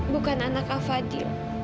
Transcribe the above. bukan anak afadil